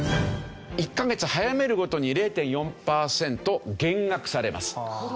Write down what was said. １カ月早めるごとに０．４パーセント減額されます。